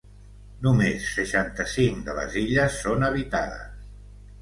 Només seixanta-cinc de les illes són habitades.